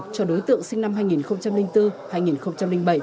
cho đối tượng sinh năm hai nghìn bốn hai nghìn bảy